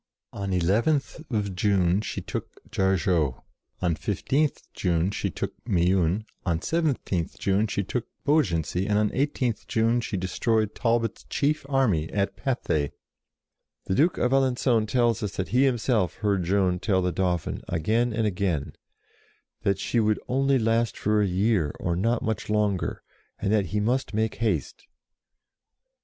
On nth June she took Jargeau, on isth June she took Meun, on I7th June she took Beau 62 JOAN OF ARC gency, and on i8th June she destroyed Talbot's chief army at Pathay ! The Duke of Alencon tells us that he himself heard Joan tell the Dauphin, again and again, that "she would only last for a year, or not much longer, and that he must make haste."